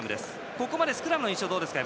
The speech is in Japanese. ここまでスクラムの印象はどうですか？